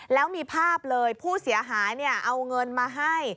แล้วมีภาพเลยผู้เสียหายเอาเงินมาให้